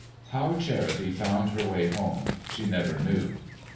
How Charity found her way home she never knew.